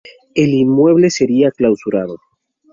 El inmueble sería clausurado.